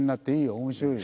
面白いよ。